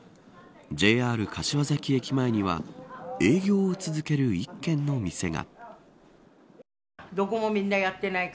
ＪＲ柏崎駅前には営業を続ける１軒の店が。